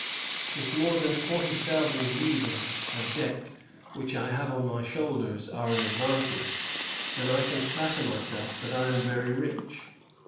If more than forty thousand livres of debt which I have on my shoulders are an advantage, then I can flatter myself that I am very rich.